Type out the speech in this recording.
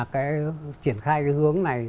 cái triển khai cái hướng này